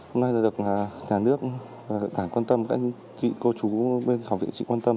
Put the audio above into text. hôm nay được nhà nước cảnh quan tâm các anh chị cô chú bên học viện chị quan tâm